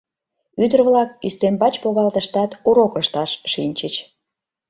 Ӱдыр-влак ӱстембач погалтыштат, урок ышташ шинчыч.